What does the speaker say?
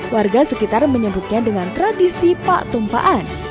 warga sekitar menyebutnya dengan tradisi pak tumpaan